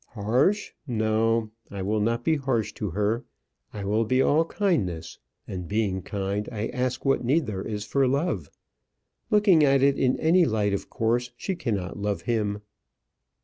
"Harsh, no; I will not be harsh to her. I will be all kindness. And being kind, I ask what need is there for love? Looking at it in any light, of course she cannot love him."